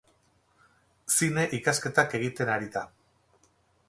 Zine ikasketak egiten ari da.